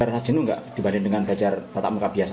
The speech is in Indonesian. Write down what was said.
ada saja nggak dibandingkan belajar tatap muka biasa